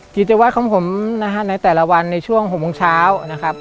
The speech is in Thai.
กิจวัตรของผมนะฮะในแต่ละวันในช่วง๖โมงเช้านะครับ